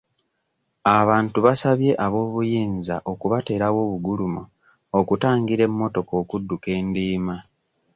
Abantu basabye ab'obuyinza okubateerawo obugulumo okutangira emmotoka okudduka endiima.